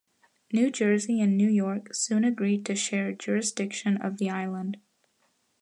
New Jersey and New York soon agreed to share jurisdiction of the island.